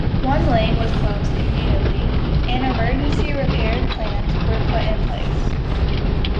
One lane was closed immediately and emergency repair plans were put in place.